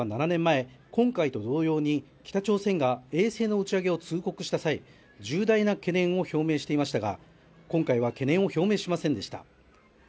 中国政府は７年前、今回と同様に、北朝鮮が衛星の打ち上げを通告した際、重大な懸念を表明していましたが、今回は懸念を表明しませんでした。